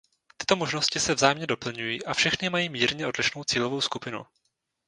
Tyto možnosti se vzájemně doplňují a všechny mají mírně odlišnou cílovou skupinu.